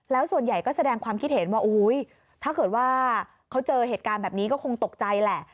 แล้วส่วนใหญ่ก็แสดงความคิดเห็นว่าถ้าเกิดว่าเขาเจอเหตุการณ์แบบนี้ก็คงตกใจแหละ